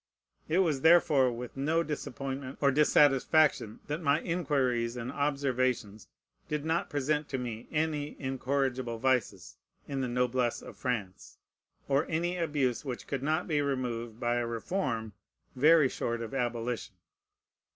It was therefore with no disappointment or dissatisfaction that my inquiries and observations did not present to me any incorrigible vices in the noblesse of France, or any abuse which could not be removed by a reform very short of abolition.